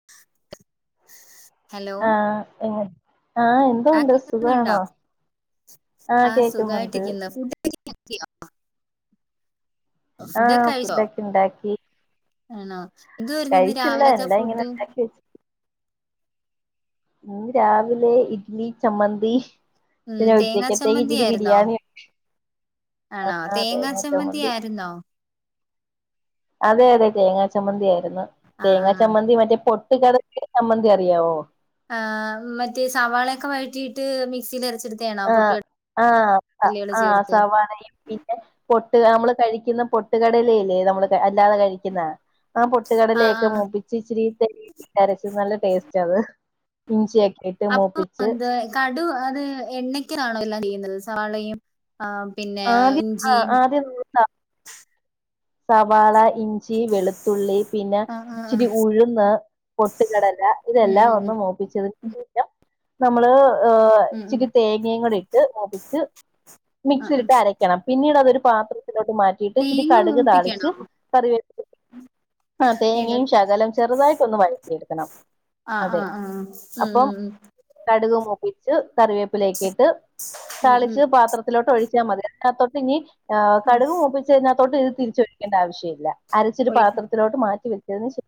[inaudible] ആഹ് ആ ആഹ് ആ എന്തോണ്ട് കേൾക്കുന്നുണ്ടോ സുഖണോ ആ ആഹ് കേക്ക്ന്നുണ്ട് സുഖായിട്ടിരിക്കുന്നു ഫുഡ് കഴിച്ചോ ആഹ് ഫുഡൊക്കഴിച്ചോ ഫുഡൊക്കെ ഇണ്ടാക്കി ആണോ എന്തുവായിരുന്നു ഇന്ന് കഴിച്ചില്ല രാവിലത്തെ എല്ലാം ഇങ്ങനെ ഫുഡ് ഇണ്ടാക്കി വെച്ച് ഇന്ന് രാവിലെ ഇഡ്ലി ചമ്മന്തി ഉം പിന്നെ തേങ്ങാ ഉച്ചക്കത്തേക്ക് ചമ്മന്തി ഇച്ചിരി ആയിരുന്നോ ബിരിയാണി ആണോ ആ തേങ്ങാ തേങ്ങ ചമ്മന്തി ആയിരുന്നോ അതെ അതെ തേങ്ങാ ചമ്മന്തിയായിരുന്നു ആ ആ തേങ്ങാ ചമ്മന്തി മറ്റേ പൊട്ടുകടല ചമ്മന്തി അറിയാവോ ആഹ് മറ്റേ സവാളയൊക്കെ വയറ്റിയിട്ട് മിക്സിൽ അരച്ചെടു ആഹ് ആഹ് ആഹ് ചേർത്ത് സവാളയും പിന്നെ പൊട്ട് അമ്മള് കഴിക്ക്ന്നെ പൊട്ട്കടലയില്ലേ നമ്മള് അല്ലാതെ കഴിക്ക്ന്നെ ആ പൊ പൊട്ട് ആ ആ കടലയൊക്കെ മൂപ്പിച്ച് ഇച്ചിരി അരച്ച് നല്ല ടേസ്റ്റത് ഇഞ്ചിയൊക്കിട്ട് അപ്പൊ എന്ത കടു അത് എണ്ണക്കാണോ എല്ലാം ചെയ്യുന്നത് സവാളയും ആ പിന്നെ ഇഞ്ചിയും അത് [unintelligible] സവാള, ഇഞ്ചി, വെളു തുള്ളി, പിന്നെ ആ ആ ആ ഇച്ചിരി ഉഴുന്ന്, പൊട്ടുകടല ഉം ഇതെല്ലാം ഉം ഒന്ന് മൂ ച്ചതിനു ശേഷംനമ്മള് ഏഹ് ഉം ഉം ഉം ഇച്ചിരി തേങ്ങയും കൂടി ഇട്ട് മുപ്പിച്ച് ആ മിക്സ് ആ ഇട്ട് അര ണം പിന്നീട് അതൊരു പാത്രത്തിലോട്ട് മാറ്റിയിട്ട് ഇച്ചിരി തേങ്ങ കടുക് താളിച്ച് മൂപ്പിക്കണോ കറിവേ ആ എട തേങ്ങയും ശകലം ചെറുതായിട്ടൊന്ന് വഴറ്റിയെടുക്കണം. ആഹ് അതെ ആഹ് ആഹ് ഉം ഉം അപ്പം ഉം. കടുക് മൂപ്പിച്ച് കറിവേപ്പിലയൊക്കെ ഇട്ട് ഉം ഉം താളിച്ച് പാത്ര ത്തിലോട്ട് ഒഴിച്ചാൽ മതി അതിന കത്തോട്ട് ഇനി ഉം കടുക് മൂപ്പിച്ചതിനകത്തോട്ട് ഇത് തിരിച്ചൊഴിക്കേണ്ട ആവശ്യമില്ല. അരച്ചൊരു ഒഴി പാത്രത്തിലോട്ട് മാറ്റി വെച്ചതിന് ശേ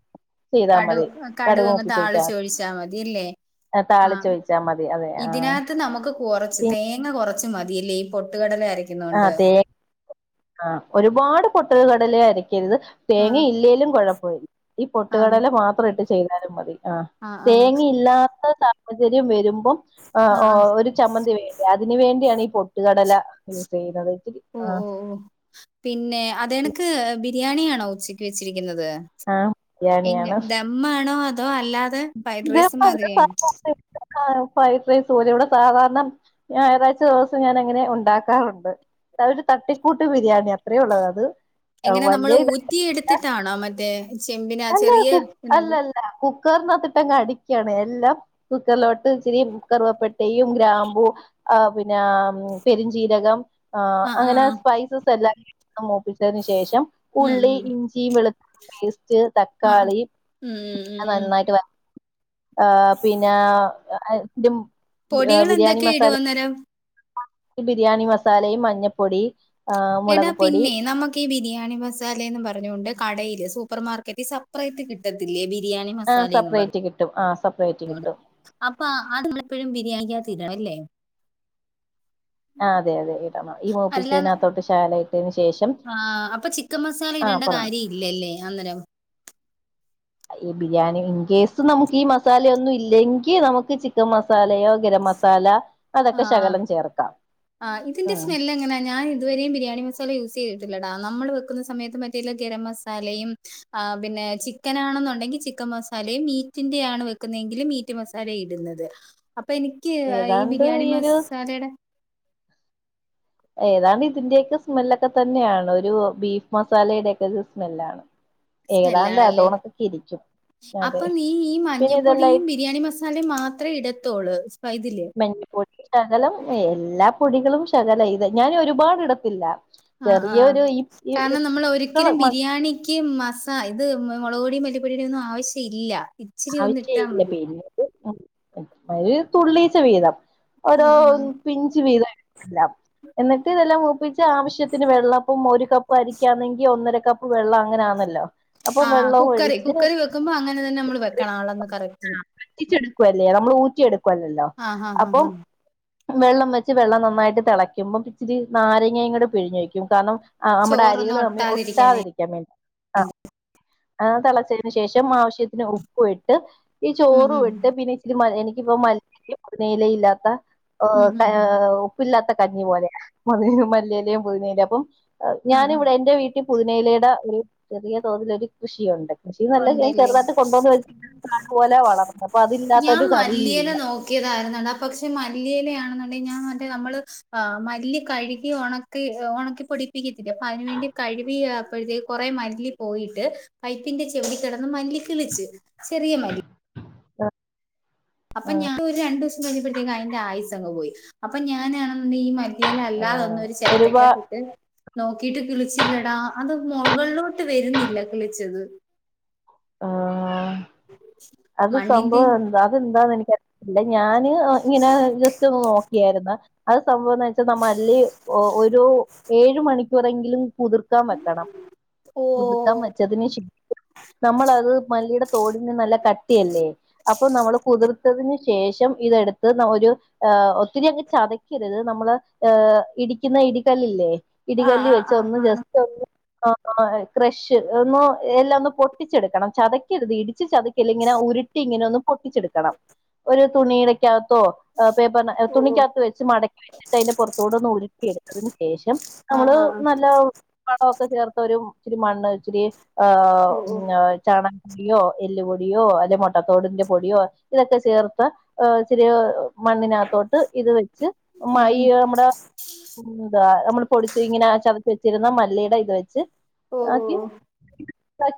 കടു കടുകങ്ങ് താളിച്ചൊഴിച്ചാൽ മതില്ലേ? മതി ആഹ് താളിച്ചൊഴിച്ചാൽ മതി അതെ ആ ഇതിനകത്ത് നമ്മുക്ക് കുറച്ച് പിൻ- തേങ്ങ കൊറച്ചുമതിയല്ലേ ഈ പൊട്ടുകടല ആ അരക്കുന്നൊണ്ട്? തേ ആഹ് ഒരുപാട് പൊട്ടുകടല അരക്കരുത് തേങ്ങ ആഹ് ഇല്ലേലും കുഴപ്പമില്ല ഈ ആഹ് പൊട്ടുകടല മാത്രം ഇട്ട് ചെയ്താലും മതി. ആഹ് തേങ്ങയില്ലാത്ത സാഹചര്യം വരുമ്പം ആഹ് ഒരു ചമ്മന്തി വേണ്ടേ അതിനു വേണ്ടിയാണ് ഈ പൊട്ടുകടല യൂസ് ചെയ്യുന്നത് [unintelligible] ഓഹ് ആഹ് ഓഹ് പിന്നെ അത് കണക്ക് ബിരിയാണി ആണോ ഉച്ചക്ക് വെച്ചിരിക്കുന്നത്? ആഹ് പിന്നെ ബിരിയാണിയാണ് ദമ്മാണോ അതോ അല്ലാതെ ഫ്രൈഡ് റൈസ് മാതിരിയാന്നോ? ആഹ് ഫ്രൈഡ് റൈസ് പോലെ ഇവിടെ സാധാരണ ഞായറാഴ്ച ദിവസം ഞാൻ അങ്ങനെ ഒണ്ടാക്കാറുണ്ട്. അത് ഒരു തട്ടിക്കൂട്ട് ബിരിയാണി അത്രേ ഒള്ളത് അത് എങ്ങനെ നമ്മള് വലിയ ഇത ഊറ്റി എടുത്തിട്ടാണോ? മറ്റേ ചെമ്പിന അല്ല ചെറിയ കുക്ക് അല്ല ഇതിനകത്ത് അല്ല കുക്കറിനാത്ത്ട്ടങ്ങ് അടിക്കാണ് എല്ലാം കുക്കറിലോട്ട് ഇച്ചിരി കറുവപ്പെട്ടയും, ഗ്രാമ്പു, ആഹ് പിന്നെ പെരിഞ്ചീരകം ആഹ് അങ്ങനെ സ്പൈസസ് എല്ലാം മൂപ്പിച്ചതിന് ശേഷം ഉം ഉള്ളി, ഉം ഇഞ്ചി, വെളുത്തുള്ളി പേസ് ച്ച് ആഹ് തക്കാളി ഉം ഉം ഉം ഉം നന്നായിട്ട് [unintelligible] ആഹ് പിന്നെ [unintelligible] ആഹ് ബിരിയാണി മസാലേം ന്നേരം ബിരിയാണി മസാലയും, മഞ്ഞപ്പൊടി, ആഹ് എടാ മുളക് പൊടി പിന്നെ നമുക്ക് ഈ ബിരിയാണി മസാലേന്ന് പറഞ്ഞോണ്ട് കടയില് സൂപ്പർ മാർക്കറ്റി സെപ്പറേറ്റ് കിട്ട് കിട്ടത്തില്ലേ ബിരിയാണി ആ മസാലേന്നും പറ സെപ്പറേറ്റ് കിട്ടും ആഹ് സെപ്പറേറ്റ് കിട്ടും. അപ്പൊ അത് എപ്പളും ബിരിയാണിക്കാത്ത് ഇടണം അല്ലേ? ആഹ് അതെ അതെ ഇടണം ഈ മൂപ്പിച്ചതിനാത്തോട്ട് ശകലം ഇട്ടേന് ശേഷം ആഹ് അപ്പൊ ചിക്കൻ മസാല ആഹ് ഇടണ്ട പറഞ്ഞു കാര്യം ഇല്ലല്ലേ അന്നേരം? ഈ ബിരിയാണി ഇൻ കേസ് നമ്മക്ക് ഈ മസാലയൊന്നും ഇല്ലെങ്കി നമ്മുക്ക് ചിക്കൻ മസാലയോ ഖരം മസാല അതൊക്കെ ശകലം ചേർക്കാം. ആഹ് ഇതിന്റെ ഉം സ്മെല്ല് എങ്ങനാ ഞാൻ ഇതുവരെയു ബിരിയാ [unintelligible] യൂസ് ചെയ്യത്തില്ലെടാ നമ്മള് വെക്കുന്ന സമയത്ത് മറ്റേ ഇല്ല ഗരം മസാലയും ആഹ് പിന്നെ ചിക്കൻ ആണെന്നൊണ്ടെങ്കി ചിക്കൻ മസാലയും മീറ്റിന്റെ ആണ് വെക്കുന്നേങ്കില് മീറ്റ് റ്റ് മസാലയും ഇടുന്നത് അപ്പൊ എനിക്ക് ഈ ഏതാണ്ട് ബിരിയാണി ഒരു മസാലേടെ ഏതാണ്ട് ഇതിന്റെയൊക്കെ സ്മെല്ലൊക്കെ തന്നെയാണ് ഒരു ബീഫ് മസാലയുടെ ഒക്കെ ഒരു സ്മെല്ലാണ്. ഏതാണ്ട് സ്മെല്ലാണല്ലേ അതോണക്കൊക്കെ ഇരിക്കും അതെ അപ്പൊ നീ ഈ പിന്നെ ഇതെല്ലാം ഈ മഞ്ഞപ്പൊടിയും, ബിരിയാണി മസാ സാലയും മാത്രേ ഇടത്തൊള്ള് സ്പൈ ഇതില് മല്ലി പൊടി ശകലം എല്ലാ പൊടികളും ശകലം ഇത് ഞാൻ ഒരുപാട് ഇടത്തില്ല. ആഹ് ആഹ് ചെറിയൊരു ഈ ഈ കാരണം നമ്മൾ ഒരിക്കലും മക്കള് ബിരിയാണി ക്ക് മസാ ഇത് മൊളക് പൊടിം മല്ലിപ്പൊടീടെ ഒന്നും ആവശ്യ ഇല്ല ഇച്ചിരി ഒന്ന് ഇട്ടാ ആവശ്യല്ല മതി പിന്നെ [unintelligible] ഒര് തുള്ളീച്ചെ വീതം ഓരോ ഉം ഉം പിഞ്ച് വീതം ല്ലാം എന്നിട്ട് ഇതെല്ലാം മൂപ്പിച്ച് ആവശ്യത്തിന് വെള്ളം ഇപ്പം ഒരു കപ്പ് അരിക്കാന്നെങ്കി ഒന്നര കപ്പ് കപ്പ് വെള്ളം അങ്ങനാന്നല്ലോ അപ്പം ആഹ് വെള്ളവും കുക്കറീ ഒഴിച്ച് കുക്കറീ വെക്കുമ്പോ അങ്ങനെ തന്നെ നമ്മള് വെക്കണം അളന്ന് കറക്റ്റിന് വറ്റിച്ചെടുക്കുവല്ലേ നമ്മള് ഊറ്റിയെടുക്കുവല്ലല്ലോ ആ ആ ആ അപ്പം ആ വെള്ളം വെച്ച് വെള്ളം നന്നായിട്ട് തെളക്കുമ്പം ഇച്ചിരി നാരങ്ങയും കൂടെ പിഴിഞ്ഞൊഴിക്കും കാരണം ആഹ് നമ്മടെ ചോറൊന്നും അരികള് തമ്മി ഒട്ടാതിരിക്കാൻ വേ ഒട്ടാതിരി ക്കാൻ വേണ്ടി ആഹ് അത് തെളച്ചേന് ശേഷം ആവശ്യത്തിന് ഉപ്പു ഇട്ട് ഈ ഉം ഉം ചോറുവിട്ട് പിന്നെ ഇച്ചിരി മ എനിക്കിപ്പോ മല്ലി [unintelligible] പൊതിന എലയില്ലാത്ത ഓ ഉം ഉം ക ഉം ഉം ആഹ് ഉപ്പില്ലാത്ത കഞ്ഞി പോലെയാ മല്ലി എലയും പൊതിന എലയും അപ്പം ഏഹ് ആ ഞാനിവിടെ എന്റെ വീട്ടീ പുതിനയെലേടെ ഒരു ചെറിയ തോതിലൊരു കൃഷിയൊണ്ട് ആ കൃഷീന്നല്ല ഞാൻ ഉണ്ടല്ലേ ചെറ്തായിട്ട് കൊണ്ടൊന്ന് വെച് നല്ല പോലെ വളർന്ന് അപ്പൊ അതില്ലാത്തൊരു കറിയുവില്ല മുക്കിയെതായിര്ന്നെടാ പക്ഷേ മല്ലിയെലയാണെന്ന്ണ്ടെങ്കി ഞാൻ [unintelligible] നമ്മള് ആ മല്ലി കഴ്കി ഒണക്കി ഒണക്കിപ്പൊടി പ്പിക്കത്തില്ലേ അപ്പയ്ന് വേണ്ടി കഴുവിയപ്പഴ്ത്തേക്ക് കൊറേ മല്ലി പോയിട്ട് പ്പിന്റെ ചെമ്പീ കെടന്ന് മല്ലികിളിച്ച് ചെറിയ മല്ലി ആഹ് അപ്പൊ ഞാൻ ഒരു രണ്ടുദിവ്സം കഴിഞ്ഞപ്പഴ്ത്തേക്ക് അയ്ന്റെ ആയുസങ്ങ് പോയി അപ്പൊ ഞാനാണെന്ന് ണ്ടെങ്കി ഈ മര് തിയേലല്ലാതൊന്നൊര് ഒരുപാ ചെരട്ടക്കാത്തിട്ട് നോക്കീട്ട് കിളിച്ചില്ലെടാ അത് മൊകള്ലോട്ട് വെര്ന്നില്ല കിളിച്ചത് ആഹ് അത് മണ്ണിന്റെ സംഭവെന്താ അതെന്താന്നെനിക്ക ഇല്ല ഞാന് ഇങ്ങനെ ജസ്റ്റൊന്ന് നോക്കിയാര്ന്ന് അത് സംഭവംന്ന് വെച്ചാ മല്ലി ഒരു ഏഴ് മണിക്കൂറെങ്കിലും കുതിർ ക്കാൻ വെക്കണം ഓ കുത്ർത്താൻ വെച്ചതിന് ശേ നമ്മളത് മല്ലീടെ തോടിന് നല്ല കട്ടിയല്ലേ അപ്പൊ നമ്മള് കുതിർത്തതിന് ശേഷം ഇതെടുത്ത് ന ഒരു ആ ഒത്തിരി അങ്ങ് ചതക്കര്ത് നമ്മള് ഏ ഇടിക്കുന്ന ഇടികല്ലില്ലേ ആ ഇടികല്ലീ ആ ആ വെച്ചൊന്ന് ആ ജസ് ആഹ് ക്രഷ് ഒന്ന് എല്ലാവൊന്ന് പൊട്ടിച്ചെട്ക്കണം ചത ഇടിക്കര്ത് ഇടിച്ച് ചതക്കല്ല് ഇങ്ങനെ ഉരുട്ടി ഇങ്ങനെ ഒന്ന് പൊട്ടിച്ചെട്ക്കണം ഒരു തുണീടെക്കകത്തോ ആ പ്പേപർഞ്ഞാ തുണിക്കാത്ത് വെച്ച് മടിക്കി വെച്ച് ട്ടയ്ന്റെ പൊറ്ത്തൂടൊന്ന് ഉരുക്കിയെട്ത്തതിന് ശേഷം ആ നമ്മള് ആ നല്ല കടകൊക്കെ ചേർത്തൊരു ഇച്ചിരി മണ്ണുവിച്ചിരി ആഹ് ഓ ഓ ചാണകപ്പൊടിയോ എല്ല് പൊടിയോ അല്ലേ മൊട്ടത്തോടിന്റെ പൊടിയോ ഇതൊക്കെ ചേർത്ത് ഇച്ചിരി മണ്ണിനകത്തോട്ട് ഇത് വെച്ച് ഉം മയീ ഉം നമ്മടെ എന്താ നമ്മൾ പൊടിച്ച് ഇങ്ങനെ ചതച്ച് വെച്ചിര്ന്ന മല്ലീടെ ഇത് വെച്ച് ഓഹ് ഓഹ് ഓഹ്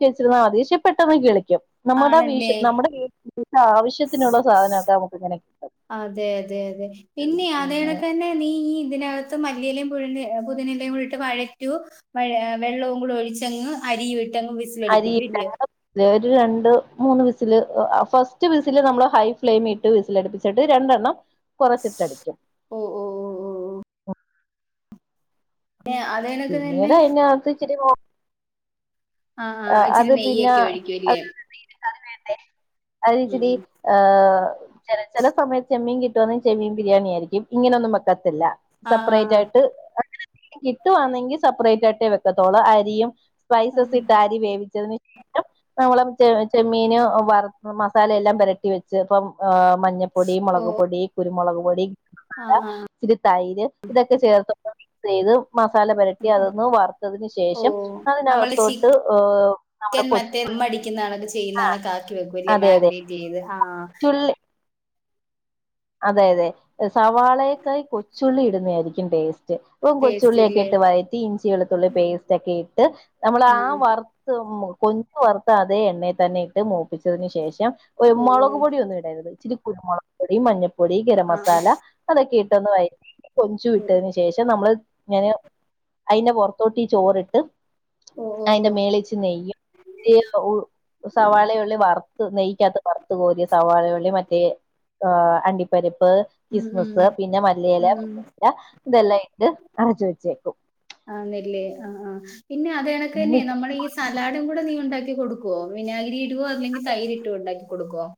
വെച്ചിര്ന്നാ മതി പക്ഷേ പെട്ടെന്ന് കിളിക്കും നമ്മടെ ആണല്ലേ വീശ് നമ്മടെ വീട്ട്ലാവശ്യത്ത്ന്ള്ള സാധനവൊക്കെ നമക്കിങ്ങനെ കിട്ടും അതെ അതെ അതെ പിന്നെ അതേയണക്കെന്നെ നീ ഈയിതിനക ത്ത് മല്ലിയെലേം പൊതിന്ന പുതിനെലേം കൂടെ ഇട്ട് വഴറ്റുവോ വെള്ളവും കൂടെ ഒഴിച്ചങ്ങ് അരിയുവിട്ടങ്ങ് വിസിലടിപ്പിക്കുവില്ല്യോ ഞാന്ന് രണ്ട് മൂന്ന് വിസില് ഫസ്റ്റ് വിസില് നമ്മ്ള് ഹൈ ഫ്ലെയിമീ ഇട്ട് വിസിലട്പ്പിച്ചട്ട് രണ്ടെണ്ണം കൊറച്ച്ട്ടടിക്കും ഓഹ് ഓഹ് പിന്നെ അത് പിന്നീട് അയിനാത്തിച്ചിരി കോ ആ ഇച്ചിരി അത് പിന്നെ നെയ്യൊക്കെ ഒഴിക്കുംല്ലേ ആ വേണ്ടേ അത് ഉം ഇച്ചിരി ഉം ഏ് ച ചില സമയത്ത് ചെമ്മീൻ കിട്ടുവന്ന ചെമ്മീൻ ബിരിയാണി ആയിരിക്കും ഇങ്ങനെയൊന്നും വെക്കത്തില്ല ആ ആ സെപ്പറേറ്റ് ആയിട്ട് കിട്ടു വന്നെങ്കിൽ സെപ്പറേറ്റ് ആയിട്ടേ വെക്കത്തോളൂ അരിയും ആ സ്പൈസസ് ഇട്ട് അരി വേവിച്ചത് ശേ ഷം നമ്മള് ചെമ്മീന് വറ മസാലയെല്ലാം വരട്ടി വെച്ച് ഇപ്പം മഞ്ഞ പ്പൊടി മുളക് പൊടി കുരുമുളക് പൊടി ആ ആ, ആ. ഇച്ചിരി തൈര് ഇതൊക്കെ ചേർത്ത മിക്സ് ചെയ്തു മസാല പരട്ടി അതൊന്ന് വറുത്തതിനന് ഓ ശേഷം നമ്മള് അതിനകത്തോട്ട് ഏഹ് നമ്മുടെ കൊ ണൊെ ചെയ്യുന്നത ആണെ ആാക്കി വെക്കും വ അതെ അതെ മാഗിനേറ്റ് ചെയ്ത് ആഹ് കൊച്ചുള്ളി അതെ അതെ സവാളയക്കായി കൊച്ചുള്ളി ഇടുന്ന ആയിരിക്കും ടേസ്റ്റ് ഇപ്പം ടേസ്റ്റ് കൊച്ചുള്ളിയൊക്കെ ഇല്ലേ ഇട്ട് വയറ്റി ഇഞ്ചി വെളുത്തുള്ളി പേസ്റ്റ് ഒക്കെ ഇട്ട് നമ്മൾ ആ വറ കൊഞ് വറുത്ത അതെ എണ്ണയെ തന്നെ ഇട്ട് മൂപ്പിച്ചതിനന് ശേഷം ഓ ഓ മുളക് പൊടിയ ഒന്നും ഇടരുത് ചിരിക്കുരു മുളക് പൊടി മഞ്ഞപ്പൊടി ആ ഗരം ആ ആ. മസാല അതൊക്കെ ഇട്ട് ഒന്ന് വയറ്റി കൊഞ്ചു ഇട്ട ശേഷം ശേഷം നമ്മള് ഇങ്ങനെ അതിന്റെ പുറത്തോട്ട് ചോറിട്ട് ഓ ഓ ഓ അയിന്റെ മേളേച്ച് നെയ്യും ഈ സവാളയള്ളി വറുത്ത് നെയിക്കാത്ത് വറുത്ത് കോരിയ സവാളയള്ളി മറ്റേ ആഹ് അണ്ടിപ്പരിപ്പ് ഉം ഉം കിസ്മിസ് പിന്നെ മല്ലിയില ഉം ഉം. അപ്പൊ ഇതെല്ലാം ഇട്ട് അടച്ച് വെച്ചേക്കും ആന്നല്ലേ ആഹ് ആഹ് പിന്നെ അത് കണക്ക് തന്നെ ഇവിടെ നമ്മള ഈ സലാഡും കൂടെ നീ ഉണ്ടാക്കി കൊടുക്കുവോ വിനഗരി ഇടുവോ അല്ലെങ്കിൽ തൈരി ഇട്ടുവോ ഉണ്ടാക്കി കൊടുക്കുവോ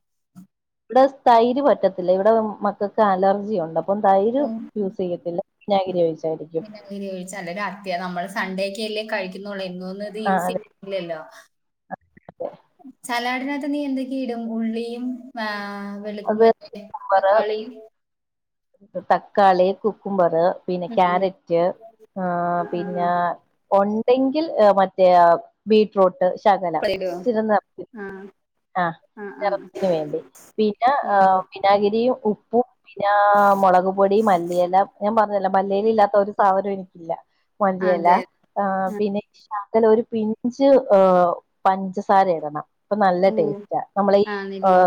ഇവിടെ തൈര് പറ്റത്തില്ല ഇവിടെ മക്കൾക്ക് അലർജിയ ഉണ്ട് അപ് അപ്പം തൈര് ഉം യൂസ് ചെയ്യത്തില്ല വിനാഗിരി ഒഴിച്ചായിരിക്കും അന ഒഴിച്ച നല്ല അത്യ നമ്മള് സൺഡേക്ക അല്ലേ കഴിക്കുന്നള്ളൂ എന്നൊന്നും ഇത് ആഹ് യൂസ് അതെ ചെയ്യുന്നില്ലല്ലോ അതെ സലാഡിനകത്ത് നീ എന്തൊക്കെയ ഇടും ഉള്ളിയും ആഹ് വെള്ളത്ത അത് മറ്റേ കുക്കുംബറ് തക്കാളിയും തക്കാളി കുക്കുംമ്പറ് പിന്നെ ഉം ഉം ക്യാരറ്റ് ആഹ് പിന്നെ ആഹ് ഉണ്ടെങ്കിൽ മറ്റേ ആഹ് ബീറ്റ്റൂട്ട് ശകലം ആഹ് ഇടുവോ സ്ഥിരം നിറ ആഹ് ആഹ് നിറത്തിന് വേണ്ടി പിന്നെ ഉം വിനാഗിരിയും ഉപ്പും പിന്നെ മുളക് പൊടി മല്ലിയെല ഞാൻ പറ അല്ല മല്ലിയില ഇല്ലാത്ത ഒരു സാധനം എനിക്കില്ല മല്ലിയല അതെ ആഹ് പിന്നെ ഈ ശാക്കല ഒരു പിഞ്ച് പഞ്ചസാര ഇടണം പ്പൊ നല്ല ഓ ടേസ്റ്റ നമ്മള ആന്നില്ലേ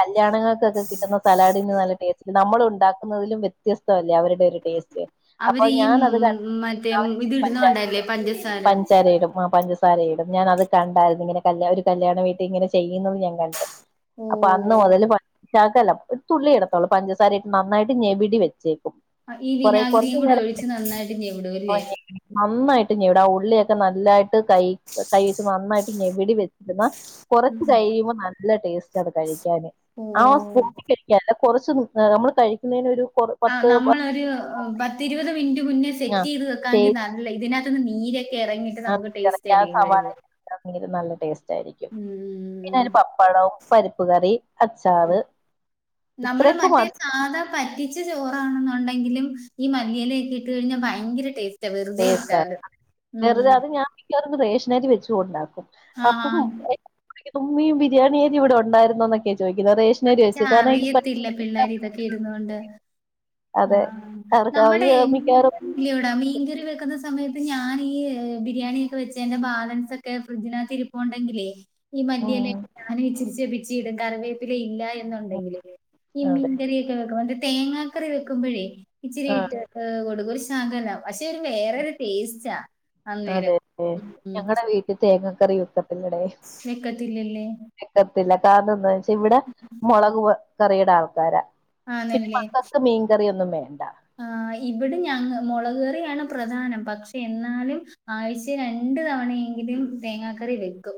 കല്യാണങ്ങൾക്കൊക്കെ കിട്ടുന്ന സലാഡിന് നല്ല നമ്മൾ ഉണ്ടാക്കുന്നതിലും വ്യത്യസ്തമല്ല അവരുടെ ടേസ്റ്റ് അപ്പൊ അവര് ഈ ഞാൻ അത് കണ്ട് ഉം, മറ്റേ ഇത് അവരിച്ചിരി പഞ്ചാര ഇടുന്നോണ്ടല്ലേ ഇടും പഞ്ചസാര പഞ്ചാര ഇടും ആഹ് പഞ്ചസ സാര ഇടും ഞാൻ അത് കണ്ടായിരുന്നു ഇങ്ങനെ കല്യാ ഒരു കല്യാണ വീട്ടി ഇങ്ങനെ ചെയ്യുന്നത് ഞാൻ കണ്ട് അപ്പ അന്ന് ഓ മുതല് പഞ്ച ശകലം ഒരു തുള്ളി ഇടത്തോള്ളൂ പഞ്ചസാര ഇട്ട് നന്നായിട്ട് ഞെവിടി വെച്ചേക്കും ആഹ് ഈ കൊറ വിനാഗിരിയും കുറച്ച് കൂടെ നേരം ഒഴിച്ച് നന്നായിട്ട് ഞെവിടും അല്ലേ [inaudible] നന്നായിട്ട് ഞെവിട് ആഹ് ഉള്ളിയൊക്കെ നല്ലായിട്ട് കൈ കൈച്ച് നന്നായിട്ട് ഞെവിടി വെച്ചിരുന്ന കുറച്ച് കഴിയുമ്പോൾ നല്ല ടേസ്റ്റ്ണ് കഴിക്ക ആഹ് ഓഹ് സ്പോട്ടിൽ കഴിയ്ക്കാൻ അല്ല കുറച്ച് നമ്മള് കഴിക്കുന്നെന് ഒരു ആഹ് പത്ത് പാ നമ്മളൊരു പത്തിരുപത് മിനി മുന്നേ ആ സെറ്റീത് വെക്കാങ്കി ചെയ്ത് നല്ലേ ഇതിനകത്ത്ന്ന് നീരൊക്കെ എറങ്ങീട്ട് നമുക്ക് ടേസ്റ്റ് ആ ആരിക്കും കഴിക്കാൻ. [inaudible] നല്ല ടേസ്റ്റ് ആയിരിക്കും പിന്നെ അതിന് പപ്പടവും പരിപ്പ് കറി അച്ചാറ് നമ്മള് ഇത്രയൊക്കെ മറ്റേ മാത്രം സാധാ പറ്റിച്ച ചോറാണെന്നുണ്ടെങ്കിലും ഈ മല്ലിയിലൊക്കെ ഇട്ട് കഴിഞ്ഞാ ഭയങ്കര ടേസ് റ്റ വെറുതെ ടേസ്റ്റ് ആണ് ഇട്ടാലും ഉം വെറുതെ അത് ഞാൻ മിക്കവാറും ഇത് റേഷനരി വെച്ചും ഉണ്ടാക്കും ആഹ് അപ്പം തുമ്മീ ബിരിയാണി അരി ഇവിടെ ഉണ്ടായിരുന്നോ എന്നൊക്കെ ചോ ചോദിക്കുന്നതെഷ് അച്ച അറിയത്തില്ല പിള്ളേർ ഇതൊക്കെ ഇരുന്നുകൊണ്ട് അതെ ആഹ് അവർക്ക് അവര് നമ്മുടെ എ മിക്കവാറും ഇല്ലോടാ മീൻ കറി വെക്കുന്ന സമയത്ത് ഞാനി ഈ ബിരിയാണിയൊക്കെ വെച്ചേന്റെ ബാലൻസ് ഒക്കെ ഫ്രിഡ്ജിനകത്തിരിപ്പ് പോണ്ടെങ്കിലേ ഈ മല്ലിയില ഉം ഒക്കെ ഞാനും ഇച്ചിരിച്ചേ പിച്ചി ഇടും കറിവേപ്പില ഇല്ല എന്നുണ്ടെങ്കില് ഈ അതെ മീൻകറിയൊക്കെ വെക്കുമ്പോ തേങ്ങാ കറി വെക്കുമ്പോഴേ ഇച്ചിരി ആഹ് ഇട്ട് കൊടുക്കും ഒരു ശ ശകലം പക്ഷെ ഒരു വേറെരു ടേസ്റ്റ അതെല്ലേ ഞങ്ങടെ വീട്ടി തേങ്ങാക്കറി വെക്കത്തില്ലടെ. വെക്കത്തില്ലല്ലേ വെക്കത്തില്ല കാരണം എന്താ വെച്ചാ ഇവിടെ മുളക് കറിയുടെ ആൾക്കാരാ പിന്നെ ആന്നല്ലെ. മക്കൾക്ക് മീൻകറിയൊന്നും വേണ്ട ആഹ് ഇവിടെ ഞങ്ങ മുളക്കറിയാണ് പ്രധാനം പക്ഷെ എന്നാലും ആഴ്ച്ചേ രണ്ടു തവണയെങ്കിലും തേങ്ങാക്കറി വെക്കും.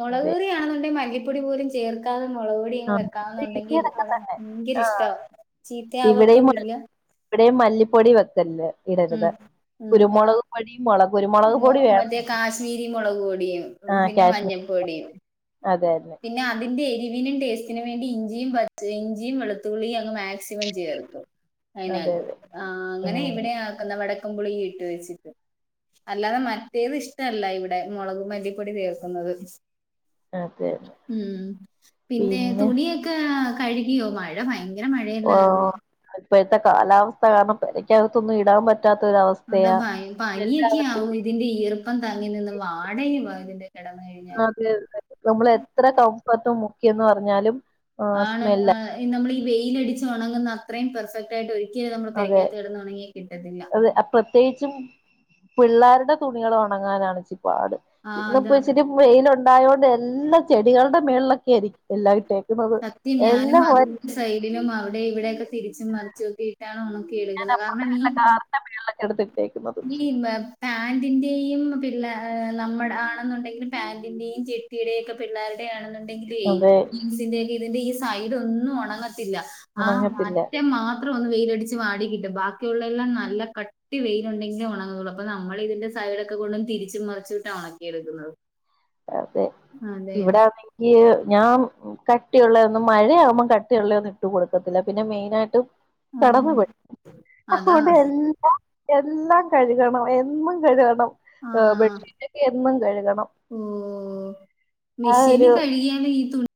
മുളക് അതെ കറിയാണെന്നുണ്ടേൽ മല്ലിപ്പൊടി പോലും ചെ ചേർക്കാതെ മുളക്പ്പൊടി ഇങ്ങ് ആഹ് വെക്കാവുന്നുണ്ടെങ്കിൽ അവിടെ ഭയങ്കര ഇഷ്ട്ടാ ഇവിടെയും ചിത്തയാവത്തും മ- ഇല്ല ഇവിടെയും മല്ലിപ്പൊടി വെക്കല്ലേ ഉം ഇടരുത് കുരുമുളക്പൊടി മുളക് കുരുമു മോ മറ്റേ കാശ്മീരി മുളക്പൊടിയും പിന്നെ മഞ്ഞൾപ്പൊടിയും. അതെ അതെ. പിന്നെ അതിന്റെ എരിവിനും ടേസ്റ്റിനും വേണ്ടി ഇഞ്ചിയും പച്ച ഇഞ്ചിയും വെളുത്തുള്ളിയും അങ്ങ് മാക്സിമം ചേർക്കും. അതെ അതെ അതിനാകു അതെ ആഹ് അങ്ങനെ ഉം ഇവിടെ ആക്കുന്നെ വടക്കംപുളി ഇട്ട് വെച്ചിട്ട്. അല്ലാതെ മറ്റേത് ഇഷ്ടല്ല ഇവിടെ മുളക് മല്ലിപ്പൊടി വെവുന്നത്. അതെന്നെ മ്മ് പിന്നെ തുണിയൊക്കെ കഴുകിയോ മഴ ഭയങ്കര. ഹോ മഴയല്ലായിരുന്നു ഇപ്പോഴത്തെ കാലാവസ്ഥ കാരണം പേരക്കകത്തൊന്നും ഇടാൻ പറ്റാത്തൊരവസ്ഥ. അതാ പനി പനിയൊക്കെ ആകും ഇതിന്റെ ഈർപ്പം തങ്ങി നിന്ന് വാട പോ ഇതിന്റെ കടന്ന അതെ തെ നമ്മൾ എത്ര കംഫർട്ട് മുക്കിയന്ന് പറഞ്ഞാലും. ആഹ് ആണ് സ്മെല്ല ഹ്‌ ഈ വെയിൽ അടിച്ച് ഉണങ്ങുന്ന അത്രയും പെർഫെക്റ്റ് ആയിട്ട് ഒരി ക്കലും നമ്മള് അതെ പെരക്കകത്ത് കെടന്നു ഒണങ്ങി കിട്ടത്തില്ല. [unintelligible] പ്രത്യേകിച്ചും പിള്ളേരുടെ തുണികള് ഉണങ്ങാനാണ് ഇച്ചി പാട് ആ ഇന്നപ്പോ അതാ ഇച്ചിരി വെയില് ഉണ്ടായോണ്ട് എല്ലാ ചെടികളുടെ മേൾലൊക്കെയിരിക്കും. എല്ലാം ഇട്ടേക്കുന്നത് സത്യം ഞാനും എല്ലാം പോ അതിന്റെ സൈഡിലും അവിടെ ഇവിടെയൊക്കെ തിരിച്ചും മറിച്ചു ഒക്കെയിട്ടാൽ നമ്മക്ക് ഇറുകാണെ കാരണം ഈ മേൾലൊക്കെടുത്ത് ഈ മ്മ് പാന്റിന്റെയും പിളേ നമ്മുടെ ആണെന്നുണ്ടെങ്കിൽ പാന്റിന്റെയും ചെട്ടിയുടെക്കെ പിള്ളേരുടെ ആണെന്നുണ്ടെങ്കില് അതെ ജിൻസിന്റെ ഇതിന്റെ ഒക്കെ ഈ സൈഡ് ഒന്നും ഉണങ്ങത്തില്ല. ആഹ് ഉണങ്ങത്തില്ല അറ്റം മാത്രം ഒന്ന് വെയിലടിച്ച് വാടിക്കിട്ടും ബാക്കിയുള്ളെല്ലാം നല്ല കട്ടി വെയി ണ്ടെങ്കിൽ ഉണങ്ങള്ളൂ അപ്പൊ നമ്മൾ ഇതിന്റെ സൈഡ് ഒക്കെ കൊണ്ടും തിരിച്ചും മറിച്ചിട്ടും ഉണക്കിടുക്കുന്നത്. അതെ ഇവിടൊണെങ്കി ഞാൻ കട്ടിയുള്ളൊന്നും മഴയാവുമ്പോം കട്ടിയുള്ളത് ഒന്നും ഇട്ട് കൊടുക്കത്തില്ല പിന്നെ മെയിനായിട്ട് ആഹ് കെടന്നുപോയി അതാ. അതോണ്ട് എല്ലാ എല്ലാം കഴുകണം എന്നും കഴുകണം ആഹ് ബെഡ്ഷീറ്റൊക്കെ എന്നും കഴുകണം. ഓഹ് ആ ഒരു മിഷിനിൽ കഴുകിയാല് ഈ തുണി